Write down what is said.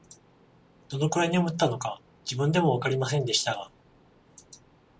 どのくらい眠ったのか、自分でもわかりませんでしたが、